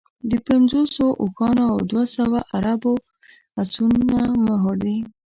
د پنځوسو اوښانو او دوه سوه عرب اسونو مهر دی.